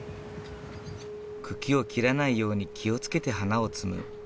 茎を切らないように気を付けて花を摘む。